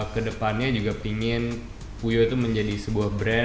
kedepannya juga pingin puyo itu menjadi perusahaan